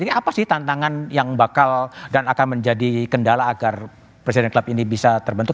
jadi apa sih tantangan yang bakal dan akan menjadi kendala agar presiden klub ini bisa terbentuk